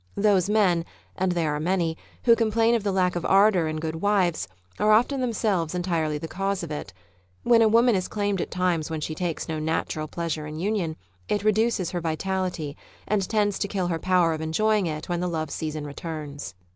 Those men — and there are many — who complain of the lack of ardour in good wives, are often themselves entirely the cause of it. When a woman is claimed at times when she takes no natural pleasure in union, it reduces her vitality, and tends to kill her power of enjoying it when the love season returns.